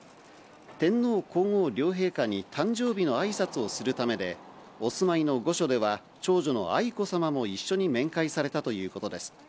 天皇皇后両陛下に誕生日のあいさつをするためで、お住まいの御所では、長女の愛子さまも一緒に面会されたということです。